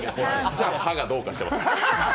じゃあ、歯がどうかしてます。